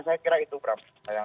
saya kira itu bram